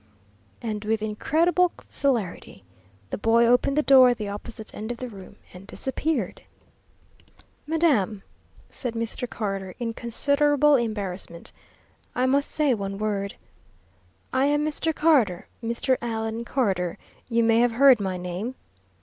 And with incredible celerity the boy opened the door at the opposite end of the room and disappeared. "Madam," said Mr. Carter, in considerable embarrassment, "I must say one word. I am Mr. Carter, Mr. Allan Carter. You may have heard my name?"